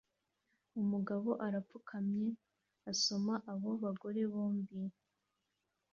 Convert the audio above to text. Umugabo arapfukamye asoma abo bagore bombi